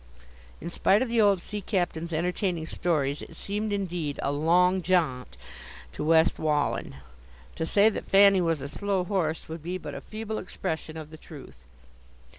In spite of the old sea captain's entertaining stories, it seemed, indeed, "a long jaunt" to West Wallen. To say that Fanny was a slow horse would be but a feeble expression of the truth.